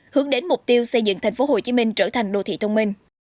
hướng đến mục tiêu xây dựng tp hcm trở thành đô thị thông minh